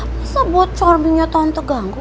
masa buat cerminnya tante ganggu